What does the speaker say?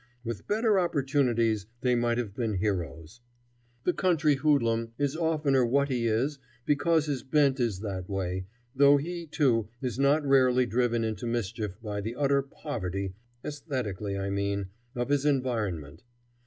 With better opportunities they might have been heroes. The country hoodlum is oftener what he is because his bent is that way, though he, too, is not rarely driven into mischief by the utter poverty aesthetically I mean of his environment.